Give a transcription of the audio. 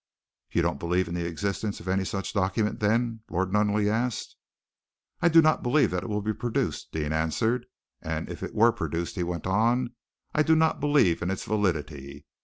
"You don't believe in the existence of any such document, then?" Lord Nunneley asked. "I do not believe that it will be produced," Deane answered, "and if it were produced," he went on, "I do not believe in its validity.